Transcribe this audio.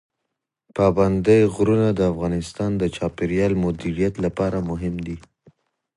پابندی غرونه د افغانستان د چاپیریال د مدیریت لپاره مهم دي.